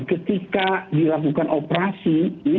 ketika dilakukan operasi